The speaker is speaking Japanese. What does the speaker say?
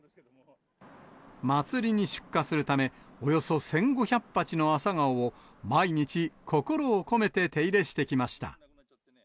まつりに出荷するため、およそ１５００鉢のアサガオを毎日、心を込めて手入れしてきました。